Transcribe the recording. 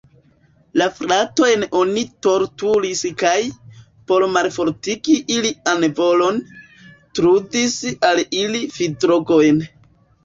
La fratojn oni torturis kaj, por malfortigi ilian volon, trudis al ili fidrogojn.